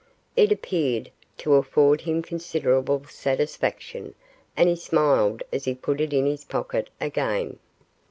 It appeared to afford him considerable satisfaction, and he smiled as he put it in his pocket again.